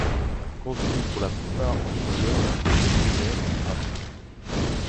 Construits pour la plupart entre le et le millénaire av.